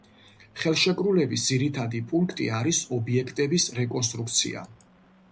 ხელშეკრულების ძირითადი პუნქტი არის ობიექტების რეკონსტრუქცია.